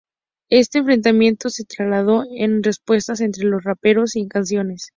Este enfrentamiento se trasladó en respuestas entre los dos raperos y en canciones.